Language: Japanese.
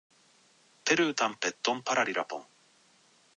ペルータンペットンパラリラポン